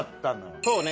そうね